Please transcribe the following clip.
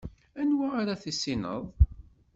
Anwa ara tissineḍ?